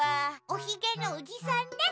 おひげのおじさんね。